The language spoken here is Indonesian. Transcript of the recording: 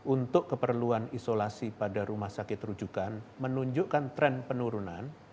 untuk keperluan isolasi pada rumah sakit rujukan menunjukkan tren penurunan